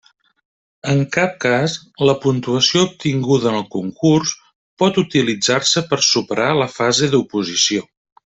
En cap cas la puntuació obtinguda en el concurs pot utilitzar-se per superar la fase d'oposició.